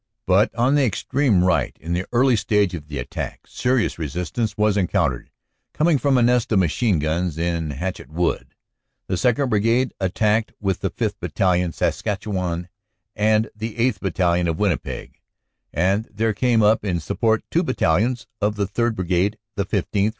But on the extreme right in the early stage of the attack, serious resistance was encountered, coming from a nest of machine guns in Hatchett Wood. The 2nd. Brigade attacked with the 5th. Battalion, Saskatchewan, and the 8th. Battalion, of Winnipeg, and there came up in OPERATIONS: AUG. 9 11 55 support two battalions of the 3rd. Brigade, the 15th.